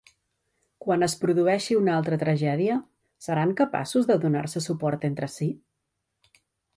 Quan es produeixi una altra tragèdia, seran capaços de donar-se suport entre si?